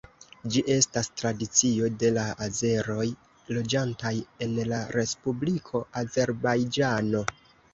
Ĝi estas tradicio de la azeroj loĝantaj en la Respubliko Azerbajĝano.